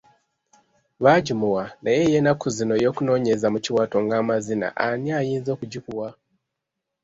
Baagimuwa naye ey'ennaku zino ey'okunoonyeza mu kiwato ng'amazina ani ayinza okugikuwa?